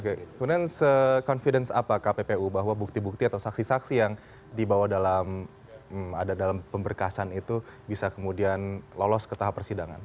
kemudian se confidence apa kppu bahwa bukti bukti atau saksi saksi yang dibawa dalam pemberkasan itu bisa kemudian lolos ke tahap persidangan